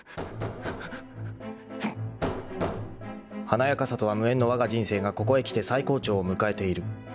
・・［華やかさとは無縁のわが人生がここへきて最高潮を迎えている］